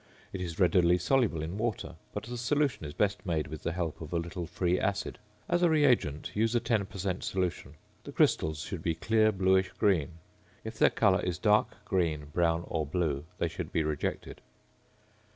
It is readily soluble in water, but the solution is best made with the help of a little free acid. As a re agent use a 10 per cent. solution. The crystals should be clear bluish green; if their colour is dark green, brown, or blue, they should be rejected.